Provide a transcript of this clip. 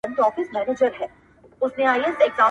په غیرت مو لاندي کړي وه ملکونه.!